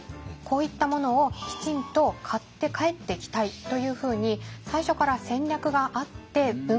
こういったものをきちんと買って帰ってきたいというふうに最初から戦略があって文化導入をしている。